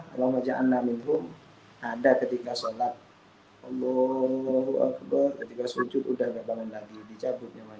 allah wajah namimum ada ketika sholat allah allah ketika sujud udah berbangun lagi dicabut